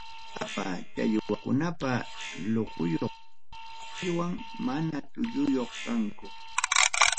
Kapa challwakunaqa luquyuq challwam, mana tulluyuq kanku.